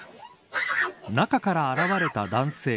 中から現れた男性。